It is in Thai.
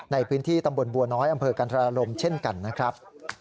ในพื้นที่ตำบลบัวน้อยอำเภอกันธรารมเช่นกันนะครับ